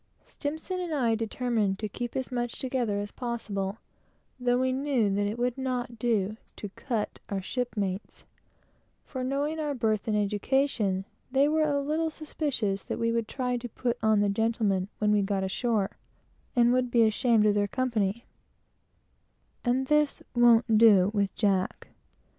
S and myself determined to keep as much together as possible, though we knew that it would not do to cut our shipmates; for, knowing our birth and education, they were a little suspicious that we would try to put on the gentleman when we got ashore, and would be ashamed of their company; and this won't do with Jack.